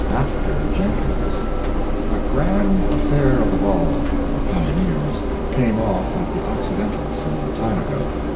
"AFTER" JENKINS A grand affair of a ball the Pioneers' came off at the Occidental some time ago.